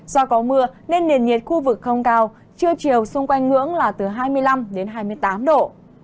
do có mưa nên nền nhiệt khu vực không cao trưa chiều xung quanh ngưỡng là từ hai mươi năm đến hai mươi tám độ